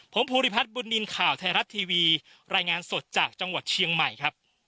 ผมภูริพัฒน์บุญนินทร์ข่าวไทยรัฐทีวีรายงานสดจากจังหวัดเชียงใหม่ครับ